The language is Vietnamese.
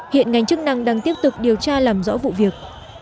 hiện ngành chức năng đang tiếp tục điều tra làm rõ vụ việc